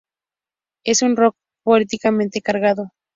Es un "rock" políticamente cargado.